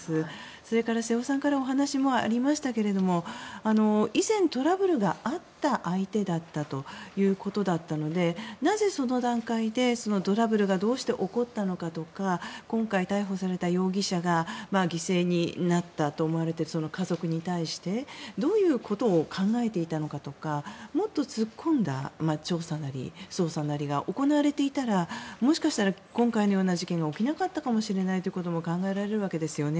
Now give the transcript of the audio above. それから瀬尾さんからお話もありましたが以前、トラブルがあった相手だったということだったのでなぜ、その段階でそのトラブルがどうして起こったのかとか今回逮捕された容疑者が犠牲になったと思われている家族に対してどういうことを考えていたのかとかもっと突っ込んだ調査なり、捜査なりが行われていたらもしかしたら今回のような事件が起きなかったのかもしれないということも考えられるわけですよね。